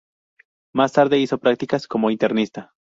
Más tarde hizo prácticas como internista.